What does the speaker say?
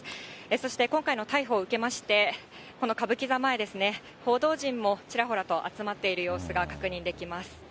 そして今回の逮捕を受けまして、この歌舞伎座前ですね、報道陣もちらほらと集まっている様子が確認できます。